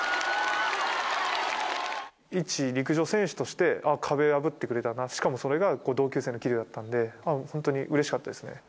一陸上選手として、壁を破ってくれたな、しかもそれが同級生の桐生だったので、本当にうれしかったですね。